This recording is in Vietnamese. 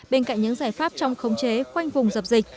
bên cạnh những giải pháp trong khống chế khoanh vùng dập dịch